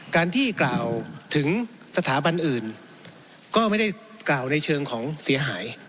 การที่กล่าวถึงสถาบันอื่นก็ไม่ได้กล่าวในเชิงของเสียหาย